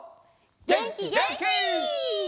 げんきげんき！